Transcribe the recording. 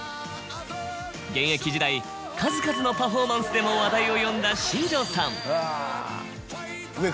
現役時代数々のパフォーマンスでも話題を呼んだ新庄さん。